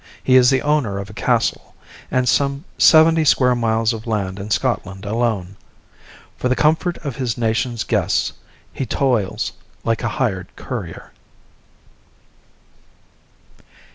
He is the owner of a castle and some seventy square miles of land in Scotland alone. For the comfort of his nation's guests, he toils like a hired courier.